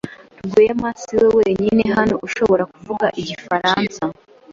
Rwema siwe wenyine hano ushobora kuvuga igifaransa.